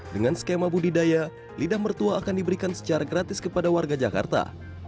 dengan skema budidaya lidah mertua akan diberikan secara gratis kepada warga jakarta